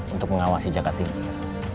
untuk mengawasi jaka tingkir